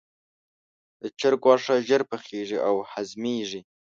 د چرګ غوښه ژر پخیږي او هضمېږي.